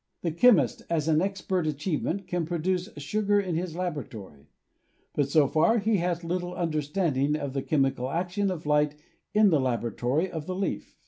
The chemist as an expert achievement can produce sugar in his labora tory, but so far he has little understanding of the chemical action of light in the laboratory of the leaf.